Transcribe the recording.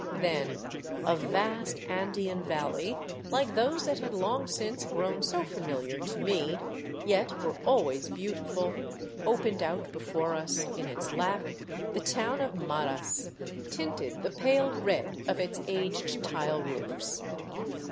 Then a vast Andean valley, like those that had long since grown so familiar to me, yet were always beautiful, opened out before us, in its lap the town of Maras, tinted the pale red of its aged tile roofs.